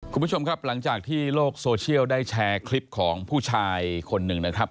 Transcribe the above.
คุณผู้ชมครับหลังจากที่โลกโซเชียลได้แชร์คลิปของผู้ชายคนหนึ่งนะครับ